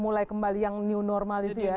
mulai kembali yang new normal itu ya